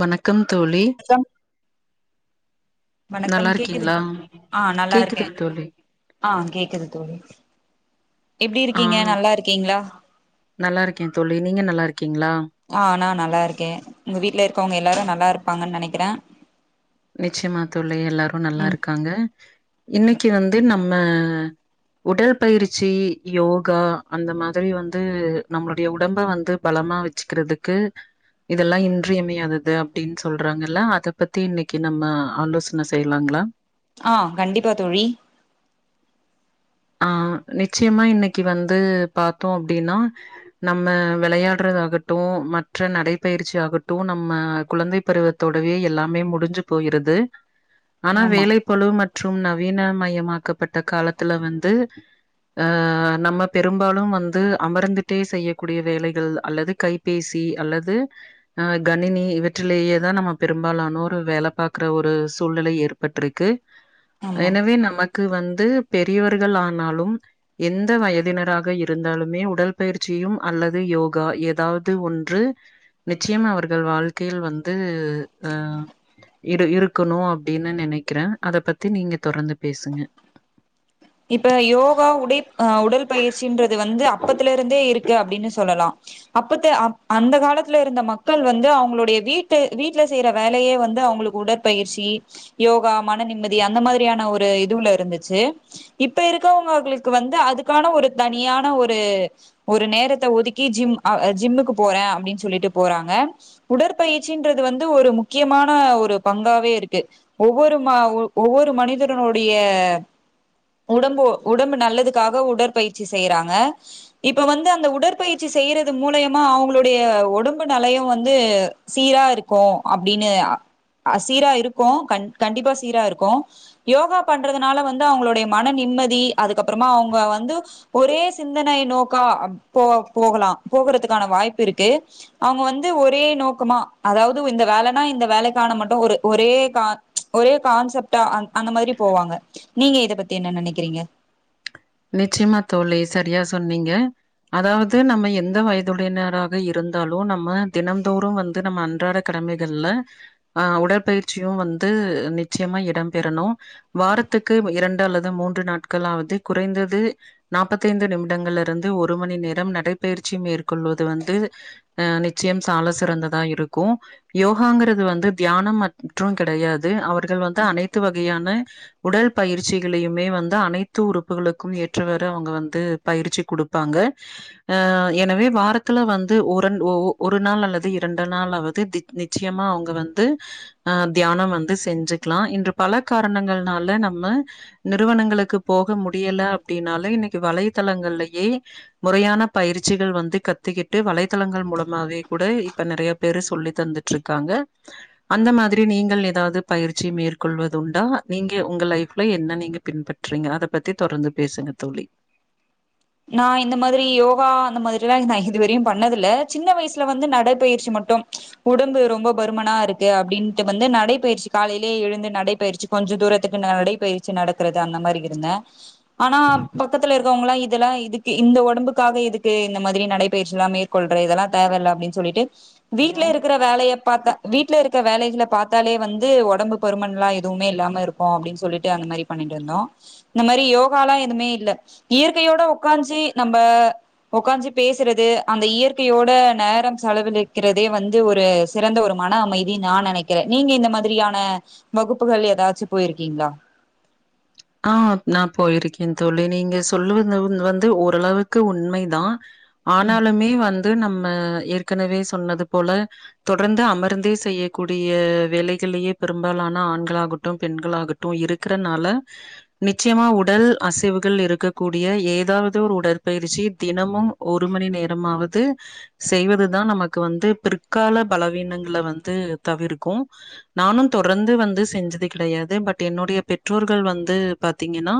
வணக் க்கம் தோழி வணக்கம் நல்லா வணக்கம் கேக்குது இருக்கீங்களா ஆ நல்லா கேக்குது இருக்கே தோழி ஆ கேக்குது தோழி எப்டி இருக்கீங்க நல்லா இருக்கீங்களா நல்லாருக்கே தோழி நீங்க நல்லா இரு ஆ நா நல்லா இருக்கே உங்க வீட்ல இருக்கவங்க எல்லாரு நல்லா நல்லா இருப்பாங்கன்னு நெனைக்கிறே நிச்சயமா தோழி எல்லாரு நல்லா ம் இருக்காங்க இன்னைக்கு வந்து நம்ம நம்ம உடல் பயிற்சி யோகா அந்த மாதிரி வந்து நம்மளுடைய உடம்ப வந்து பலமா வச்சுக்கிறதுக்கு இதெல்லா இன்றியமையாதது அப்பிடின்னு சொல்றாங்கல்ல அத பத்தி இன்னைக்கு க்கி நம்ம ஆலோசன செய்லாங்களா ஆ கண்டிப்பா தொழி ஆ நிச்சயமா இன்னைக்கு வந்து பாத்தோ அப்பிடின்னா நம்ம விளையாடுறதா ஆகட்டு மற்ற நடைப்பயிற்சி ஆகட்டு நம்ம குழந்தை பருவத்தோடவே எல்லாமே முடிஞ்சு போயிருது ஆனா ஆமா வேலைப்பழுவு மட் ற்றும் நவீன மயமாக்கப்பட் ட காலத்துல வந் த்து அ நம்ம பெரும்பாலு வந்து அமர்ந்துட்டே செய்யக்கூடிய வேலைகள் அல்லது கைபேசி அல்லது அ கணினி இவற்றிலேயேதா நம்ம பெரும்பாலானோர் வேல பாக்குற ஒரு சூழ்நிலை ஏற்பட்டிருக்கு ஆமா எனவே நமக் இதுக்கு வந்து பெரியவர் ட்டுகள் ஆனாலும் எந்த வயதினராக இருந்தாலுமே உடல் பயிற்சியு அல்லது யோகா ஏதாவது ஒன்று நிச்சயம் அவர்கள் வாழ்க்கையில் வந்து ஆ இ இருக்கணு அப்பிடின்னு நெனைக்கிறே அத பத்தி நீங்க தொடர்ந்து பேசுங்க இப்ப யோகா உடை ஆ உடல் பயிற்சன்றது வந்து அப்பத்துல இருந்தே இருக்கு அப்டின்னு சொல்லலா அப்பத்த அ அந்த காலத்துல இருந்த மக்கள் வந்து அவுங்களுடைய வீட்டு வீட்டுல செய்யற வேலையே வந்து அவுங்களுக்கு உடற்பயிற்சி யோகா மன நிம்மதி அந்த மாதிரியான ஒரு இதுல இருந்துச்சு இப்ப இருக்கவங்கங்களுக்கு வந்து அதுக்கான ஒரு தனியான ஒரு ஒரு நேரத்தை ஒதுக்கி ஜிம் அஹ் ஜிம்முக்கு போறேன் அப்படின்னு சொல்லிட்டு போறாங்க உடற்பயிற்சின்றது வந்து ஒரு முக்கியமான ஒரு பங்காவே இருக்கு ஒவ்வொரு மா ஒவ்வொரு மனிதரனுடைய உடம்பு உடம்பு நல்லதுக்காக உடற்பயிற்சி செய்யுறாங்க இப்ப வந்து அந்த உடற்பயிற்சி செய்யுறது மூலியமா அவுங்களுடைய உடம்பு நிலையு வந்து சீரா இருக்கு அப்டின்னு சீரா இருக்கு கண்டிப்பா சீரா இருக்கு யோகா பண்றதுனால வந்து அவுங்களுடைய மன நிம்மதி அதுக்கப்புறமா அவுங்க வந்து ஒரே சிந்தனை நோக்கா போ போகலா போகறதுக்கான வாய்ப்பு இருக்கு அவுங்க வந்து ஒரே நோக்கமா அதாவது இந்த வேலைனா இந்த வேலைக்கான மட்டு ஒரே ஒரே கான்சப்டா அந்த மாதிரி போவாங்க நீங்க இத பத்தி என்ன நெனக்குறீங்க நிச்சியமா தோழி சரியா சொன்னீங்க அதாவது நம்ம எந்த வயதுடையனராக இருந்தாலு நம்ம தினந்தோறு வந்து நம்ம அன்றாட கடமைகள்ல ஆ உடற்பயிற்சியு வந்து நிச்சயமா இடம்பெறனு வாரத்துக்கு இரண்டு அல்லது மூன்று நாட்கள்ளாவது குறைந்தது நாற்பத்தைந்து நிமிடங்கள்ல இருந்து ஒரு மணி நேரோ நடைபயிற்சி மேற்கொள்வது வந்து அ நிச்சயம் சால சிறந்ததா இருக்கு யோகாங்கிறது வந்து தியானம் மற்று கிடையாது அவர்கள் வந்து அனைத்து வகையான உடல் பயிற்சிகளையுமே வந்து அனைத்துரு ம்புகளுக்கு ஏற்றவாறு அவுங்க வந்து பயிற்சி குடுப்பாங்க ஆ எனவே வாரத்துல வந்து ஒரு ஒரு நாள் அல்லது இரண்டு நாள் ஆவது நிச்சயமா அவுங்க வந்து ஆ தியானோ வந்து செஞ்சுக்கலா இன்று பல காரணங்கள்னால நம்ம நிறுவனங்களுக்கு போக முடி முடியல அப்டின்னாலே இன்னக்கி வலைத்தளங்கள்யே முறையான பயிற்சிகள் வந்து கத்துக்கிட்டு வலைத்தளங்கள் மூலமாவே கூட இப்ப நிறைய பேரு சொல்லி தந்துட்டு இருக்காங்க அந்த மாதிரி நீங்கள் ஏதாவது பயிற்சி மேற்கொள்வதுண்டா நீங்க உங்க லைஃப்ல என்ன நீ பின்பற்றுறீங்க அத பத்தி தொடர்ந்து பேசுங்க தோழி நா இந்த மாதிரி யோகா அந்த மாதிரி எல்லா நா இதுவரையு பண்ணதில்ல சின்ன வயசுல வந்து நடைபயிற்சி மட்டு உடம்பு ரொம்ப பருமனா இருக்கு அப்பிடின்ட்டு வந்து நடைபயிற்சி காலையிலேயே எழுந்து நடைபயிற்சி கொஞ்ச தூரத்துக்கு நடைப்பயிற்சி நடக்குறது அந்த மாதிரி இருந்தே ஆனா பக்கத்துல இருக்கவுங்களா இது இதெல்லா இதுக்கு இந்த ஒடம்புக்காக இதுக்கு இந்த மாதிரி நடைபயிற்சி எல்லா மேற்கொள்ற இதெல்லா தேவையில்ல அப்டின்னு சொல்லிட்டு வீட்ல இருக்குற வேலய பாக்க வீட்ல இருக்க வேலைகல பாத்தாலே வந்து ஒடம்பு பருமன் எல்லா எதுவுமே இல்லாம இருக்கு அப்டின்னு சொல்லிட்டு அந்த மாதிரி பண்ணிட்டு இருந்தோ இந்த மாதிரி யோகாலா எதுவுமே இல்ல இயற்கை இயற்கையோட உக்காஞ்சி நம்ப உக்காஞ்சி பேசுறது அந்த இயற்கையோட நேரம் செலவழிக்கிறதே வந்து ஒரு சிறந்த ஒரு மன அமைதி நா நெனக்குறே நீங்க இந்த மாதிரியான வகுப்புகள் ஏதாச்சு போயிருக்கீங்ளா ஆ நா போயிருக்கே தோழி நீங்க சொல்லுவது வந்து ஓரளவுக்கு உண்மைதா ஆனாலுமே வந்து நம் ஏற்கனவே சொன்னது போல தொடர்ந்து அமர்ந்தே செய்யக்கூடிய வேலைகளியே பெரும்பாலான ஆண்களாகட்டு பெண்களாகட்டு இருக்கிறனால நிச்சயமா உடல் அசைவுகள் இருக்கக்கூடிய ஏதாவது ஒரு உடற்பயிற்சி தினமும் ஒரு மணி நேரமாவது செய்வதுதா நமக்கு வந்து பிற்கால பலவீனங்கள வந்து தவிர்க்கு நானு தொடர்ந்து வந்து செஞ்சது கிடையாது பட் என்னுடைய பெற்றோர் வந்து பாத்தீங்கன்னா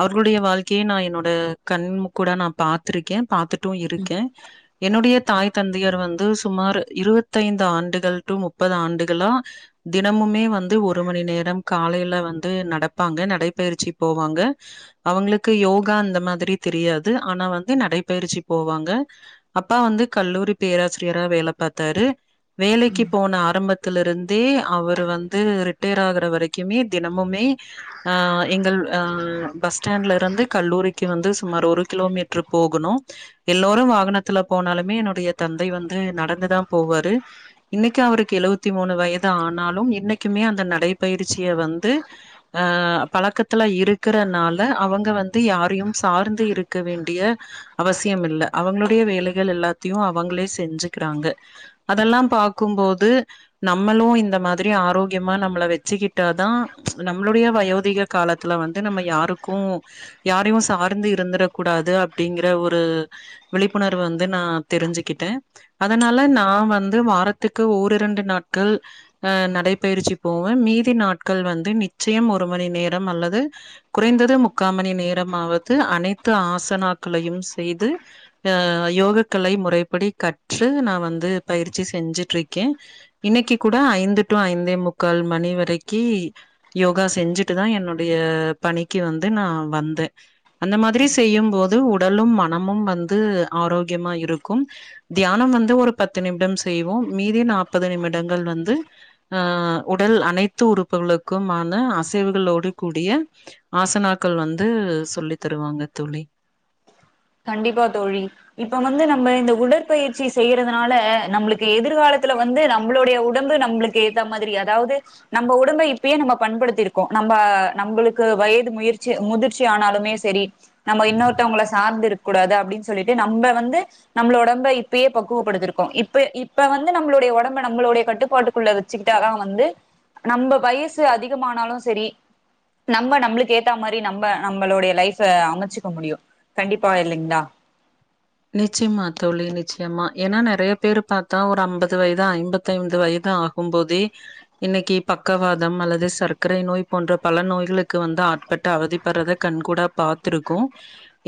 அவர்களுடைய வாழ்க்கையை நா என்னோட கண் கூட நா பாத்திருக்கே பாத்து இருக்கே என்னுடைய தாய்தந் தந்தையர் வந்து சுமார் இருபத்தைந்து ஆண்டுகள் டு முப்பது ஆண்டுகளா தினமுமே வந்து ஒரு மணி நேரம் காலேல வந்து நட பாப்பாங்க நடைபயிற்சி போவாங்க அவுங்களுக்கு யோகா இந்த மாதிரி தெரியாது ஆனா வந்து நடைப்பயிற்சி போவாங்க அப்பா வந்து கல்லூரி பேராசிரியரா வேல பாத்தாரு வேலைக்கு போன ஆரம்ப த்துல இருந்தே அவரு வந்து ரிட்டையர் ஆகுற வரைக்குமே தினமுமே ஆ எங்கள் ஆ பஸ் ஸ்டாண்ட்ல இருந்து கல்லூரிக்கு வந்து சுமார் ஒரு கிலோமீட்ரு போகணு எல்லோரும் வாகனத்துல போனாலுமே என்னுடைய தந்தை வந்து நடந்துதா போவாரு இன்னைக்கு அவருக்கு எழுவத்தி மூனு வயது ஆனாலும் இன்னைக்குமே அந்த நடைபயிற்சிய வந்து ஆ பழக்கத்துல இருக்குறனால அவுங்க வந்து யாரையு சார்ந்து இருக்க வேண்டிய அவசியம் இல்ல அவுங்களுடைய வேலைகள் எல்லாத்தையும் அவுங்களே செஞ்சுக்கிறாங்க அதெல்லாம் பாக்கும்போது நம்மளும் இந்த மாதிரி ஆரோக்கியமா நம்மள வெச்சுக்கிட்டாதா நம் நம்மளுடைய வயோதிக காலத்ல வந்து நம்ம யாருக்கு யாரையு சார்ந்து இருந்துட கூடாது அப்டிங்கிற ஒரு விழிப்புணர்வு வந்து நா தெரிஞ்சுக்கிட்டே அதனால நா வந்து வாரத்துக்கு ஓர் இண்டு நாட்கள் அ நடைபயிற்சி போவே மீதி நாட்கள் வந்து நிச்சயம் ஒரு மணி நேரம் அல்லது குறைந்தது முக்கால் மணி நேரமாவது அனைத்து ஆசனாக்களையும் செய்து அ யோகக்களை முறைப்படி கற்று நா வந்து பயிற்சி செஞ்சுட்டு இருக்கே இன்னைக்கு கூட ஐந்து டு ஐந்தே முக்கால் மணி வரைக்கு யோகா செஞ்சுட்டு தா என்னுடைய பணிக்கு வந்து நா வந்தே அந்த மாதிரி செய்யும் போது உடலும் மனமும் வந்து ஆரோக்கியமா இருக்கும் தியானம் வந்து ஒரு பத்து நிமிடம் செய்வோம் மீதி நாற்பது நிமிடங்கள் வந்து ஆ உடல் அனைத்து உறுப்புகளுக்கும் முக்குமான அசைவுகளோடு கூடிய ஆசனாக்கள் வந்து சொல்லி தருவாங்க தோழி கண்டிப்பா தோழி இப்ப வந்து நம்ம இந்த உடற்பயிற்சி செய்யுறதுனால நம்மளுக்கு எதிர்காலத்ல வந்து நம்மளுடைய உடம்பு நம்மளுக்கு ஏத்த மாதிரி அதாவது நம்ம உடம்பை இப்பயே நம்ம பண்படுத்திருக்கோ நம்ம நம்மளுக்கு வயது முயற்சி முதிர்ச்சி ஆனாலுமே சரி நம்ம இன்னோருத்தவங்கள சார்ந்து இரு கூடாது அப்டின்னு சொல்லிட்டு நம்ம வந்து நம்மள உடம்ப இப்பயே பக்குவப்படுத்திருக்கோ இப்ப இப்ப வந்து நம்மளுடைய ஒடம்ப நம்மளுடைய கட்டுப்பாட்டுக்குள்ள வச்சுக்கிட்டாதா வந்து நம்ம வயசு அதிகமானாலு சரி நம்ம நம்மளுக்கு ஏத்தா மாரி நம்ம நம்மளுடைய லைஃப்ப அமச்சுக்க முடியு கண்டிப்பா பாயலிங்களா நிச்சயமா தோழி நிச்சயம்மா ஏனா நா நெறய பேர் பாத்தா ஒரு அம்பது வயது ஐம்பத்தி ஐந்து வயது ஆகும் போதே இன்னைக்கு பக்கவாதம் அல்லது சர்க்கரை நோய் போன்ற பல நோய்களுக்கு வந்து ஆட்பட்டு அவதிப்படறத கண் கூட பாத்திருக்கோ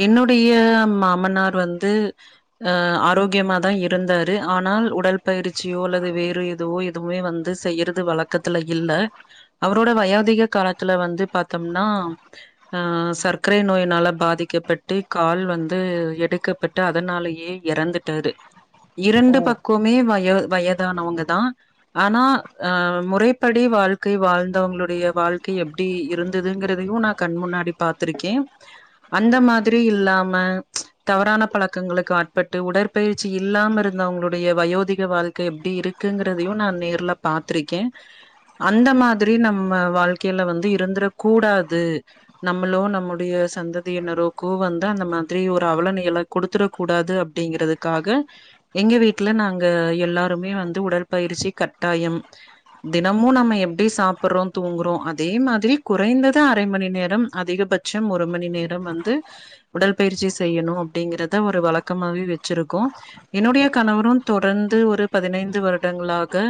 என்னுடைய மாமனார் வந்து அ ஆரோக்கியமா தா இருந்தாரு ஆனால் உடல் பயிற்சியோ அல்லது வேறு எதுவோ எதுவுமே வந்து செய்யுறது வழக்கத்துல இல்ல அவரோட வயாதிக காலத்ல வந்து பாத்தம்னா அ சர்க்கரை நோயினால பாதிக்கப்பட்டு கால் வந்து எடுக்க பட்டு அதனாலயே எறந்துட்டாரு ஓ இரண்டு பக்கொமே வயோ வயதானவங்க தா ஆனா அ முறைப்படி வாழ்க்கை வாழ்ந்தவங்களுடைய வாழ்க்கை எப்டி இருந்ததுங்கிறதையு நா கண் முன்னாடி பாத்துருக்கே அந்த மாதிரி இல்லாம தவறான பழக்கங்களுக்கு ஆட்பட்டு உடற்பயிற்சி இல்லாம இருந்தவங்களுடைய வயோதிக வாழ்க்கை எப்பிடி இருக்குங்கிறதையு நா நேர்ல பாத்திருக்கே அந்த மாதிரி நம்ம வாழ்க்கையில வந்து இருந்திர கூடாது நம்மளோ நம்முடைய சந்ததியினரோகோ வந்தா அந்த மாதிரி ஒரு அவல நில குடுத்தரக்க கூடாது அப்படிங்கறதுக்காக எங்க வீட்டுல நாங்க எல்லாருமே வந்து உடல் பயிற்சி கட்டாயம் தினமும் நம்ம எப்பிடி சாப்பிடுறோ தூங்குறோ அதே மாதிரி குறைந்தது அரை மணி நேரம் அதிகபட்சம் ஒரு மணி நேரம் வந்து உடல் பயிற்சி செய்யணு அப்படிங்கிறத ஒரு வழக்கமாவே வச்சிருக்கோ என்னுடைய கணவரு தொடர்ந்து ஒரு பதினைந்து வருடங்களாக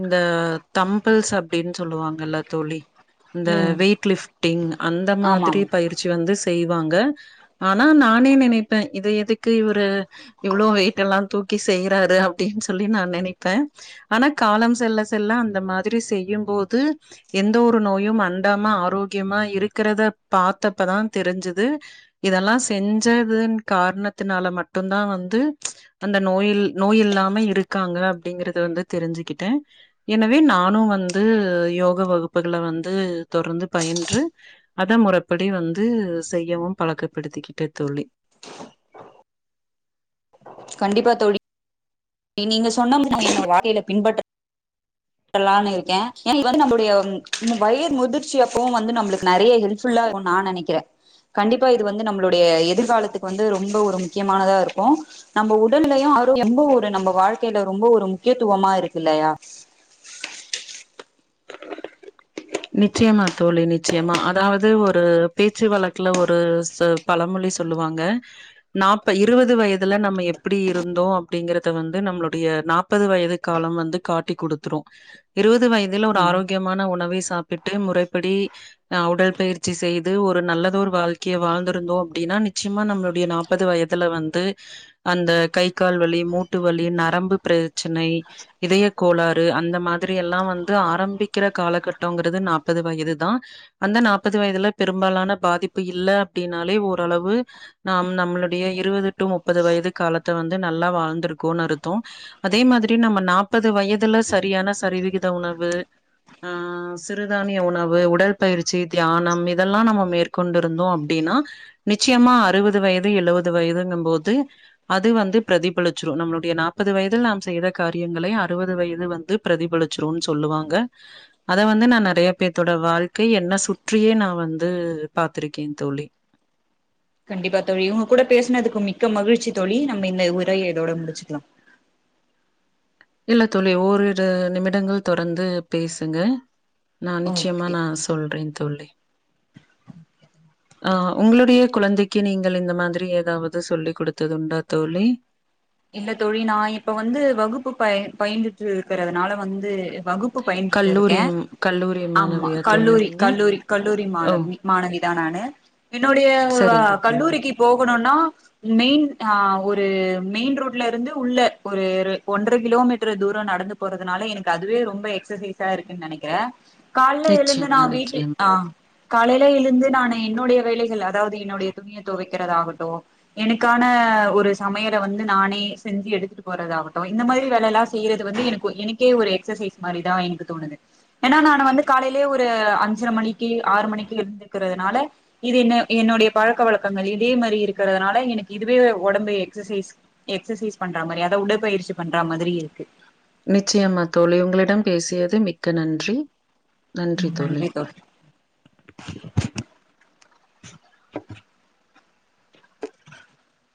இந்த தம்பள்ஸ் அப்பிடின்னு சொல்லுவாங்கல்ல தோழி இந்த ம் வெயிட் லிப்டிங் அந்த மாதிரி ஆமாம் பயிற்சி வந்து செ செய்வாங்க ஆனா நானே நினைப்ப த்த இத எதுக்கு இவரு இவ்வளோ வெயிட் எல்லா தூக்கி செய்யறாரு அப்பிடின்னு சொல்லி நா நெனைப்பே ஆனா காலம் செல்ல செல்ல அந்த மாதிரி செய்யு போது எந்த ஒரு நோயு அண்டாம ஆரோக்கியமா இருக்கிறத பாத்தப்பதா தெரிஞ்சுது இதெல்லா செஞ்சதுன் காரணத்தினால மட்டும்தா வந்து அந்த நோயில் நோய் இல்லாம இருக்காங்க அப்படிங்கறத வந்து தெரிஞ்சுக்கிட்டே எனவே நானு வந்து யோக வகுப்புகள வந்து தொடர்ந்து பயின்று அத முறப்படி வந்து செய்யவு பழக்கப்படுத்திக்கிட்டே தோழி கண்டிப்பா தோழி நீ நீங்க சொன்ன முறைய என் வாழ்கையில பின்பற்ற லாம்னு இருக்கே ஏ இது வந்து நம்மடைய வயது முதிர்ச்சி அப்புவு வந்து நம்மளுக்கு நெறைய ஹெல்ஃபுல்லா இருக்கும்னு நா நெனைக்கிறே கண்டிப்பா இது வந்து நம்மளுடைய எதிர்காலத்துக்கு வந்து ரொம்ப ஒரு முக்கியமானதா இருக்கு நம்ம உடலயையு ஆரோக்கியம் ரொம்ப ஒரு நம்ம வாழ்க்கையில ரொம்ப ஒரு முக்கியத்துவமா இருக்கு இல்லையா நிச்சயமா தோழி நிச்சயமா அதாவது ஒரு பேச்சு வழக்குல ஒரு பழமொழி சொல்லுவாங்க நாப் இருபது வயதுல நம்ம எப்பிடி இருந்தோ அப்பிடிங்கறத வந்து நம்மளுடைய நாப்பது வயது காலம் வந்து காட்டி குடுத்துரு இருவ து வயதில ஒரு ம் ஆரோக்கியமான உணவை ச ட்டு முறைப்படி ஆ உடல் பயிற்சி செய்து ஒரு நல்லத ஒரு வாழ்க்கைய வாழ்ந்திருந்தோ அப்பிடின்னா நிச் ச்சியமா நம்மளுடைய நாப்பது வயதுல வந்து அந்த கை கால் வலி மூட்டு வலி நரம்பு பிர ச்சனை இதய கோளாறு அந்த மாதிரி எல்லா வந் த்து ஆரம்பிக்கிற காலகட்ட ட்டோ ங்கிறது நாப்பது வயதுதா அந்த நாப்பது வயதுல பெரும்பாலான பாதிப்பு இல்ல அப்பிடின்னாலே ஓரளவு நம் நம்மளுடைய இருபது டு முப்பது வயது காலத்த வந்து நல்லா வாழ்ந்திருக்கோநர்த்தோ அதே மாதிரி நம்ம நாப்பது வயதுல சரியான சரிவிகித உணவு ஆ சிறுதானிய உணவு உடல் பயிற்சி தியானம் இதெல்லா நம்ம மேற்கொண்டிருந்தோ அப்படின்னா நிச்சயமா அறுவது வயது எழுவது வயதுங்குபோது அது வந்து பிரதிபலிச்சிரு நம்மளுடைய நாப்பது வயதில் நாம் செய்த காரியங்களை அறுபது வயது வந்து பிரதிபலிச்சிரு சொல்லுவாங்க அ அத வந்து நான் நெறைய பேத்தோட வாழ்க்கை என்ன சுற்றியே நா வந்து பாத்திருக்கே தோழி கண்டிப்பா தோழி இவுங்க கூட பேசுனதுக்கு மிக்க மகிழ்ச்சி தோழி நம்ம இந்த உரைய இதோட முடிச்சிக்கலா இல்ல தோழி ஓரிரு நிமிடங்கள் தொடர்ந்து பேசுங்க நா நிச்சயமா ஓகே நா சொல்றே தோழி ஆ உங்களுடைய குழந்தைக்கு நீங்கள் இந்த மாதிரி ஏதாவது சொல்லிக் கொடுத்தது உண்டா தோழி இல்ல தோழி நா இப்ப வந்து வகுப்பு பயின் பயின்ந்துட்டு இருக்கறதுனால வந்து வகுப்பு பயின்றுட்டு கல்லூரி இருக்கேன் ம் கல்லூரி ஆமா மாணவியா தோழி கல்லூரி நீங்க? கல்லூரி கல்லூரி ஓ! மாலவி மாணவி தா நானு என்னுடைய ஓ வா சரிங்க தோழி. கல்லூரிக்கு போகணுன்னு நா மெயின் ஆ ஒரு மெயின் ரோட்ல இருந்து உள்ள ஒரு ரு ஒன்றரை கிலோமீட்டர் தூரோ நடந்து போறதுனால எனக்கு அதுவே ரொம்ப எக்ஸசைஸா இருக்குன்னு நெனைக்கிறே கால்ல எழுந்து நா நிச்சயமா, வீட்டு நிச்சயமா. ஆ காலையிலில எழுந்து நான் என்னுடைய வேலைகள் அதாவது என்னுடைய துணிய தொவைக்கிறத ஆகட்டும் எனக்கான ஒரு சமையல வந் ந்து நானே செஞ்சு எடுத்துட்டு போறதாகட்டு இந்த மாரி வேலல்லா செய்யறது வந்து என எனக்கே ஒரு எக்சசைஸ் மாரிதா எனக்கு தோணுது ஏன்னா நான் வந்து காலையிலே ஒரு அஞ்சரை மணிக்கு ஆறு மணிக்கு எந்திக்கிறதுனால இது என்ன என்னுடைய பழக்க வழக்கங்கள் இதே மாரி இருக்கிறதுனால எனக்கு இதுவே உடம்பு எக்சசைஸ் எக்சசைஸ் பண்ற மாரி அதா உடற்பயிற்சி பண்ற மாதிரி இருக்கு நிச்சயமா தோழி உங்களிடம் பேசியது மிக்க நன்றி நன்றி தோழி